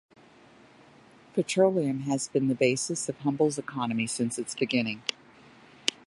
Petroleum has been the basis of Humble's economy since its beginning.